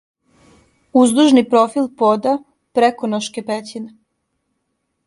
Уздужни профил пода Преконошке Пећине